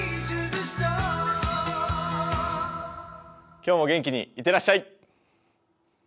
今日も元気に行ってらっしゃい。